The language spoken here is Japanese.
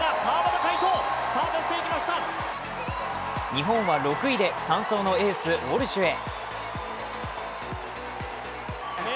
日本は６位で３走のエース、ウォルシュへ。